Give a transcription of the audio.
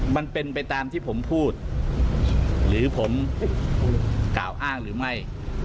มันเป็นไปตามที่ผมพูดหรือผมกล่าวอ้างหรือไม่